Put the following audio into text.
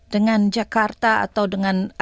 dengan jakarta atau dengan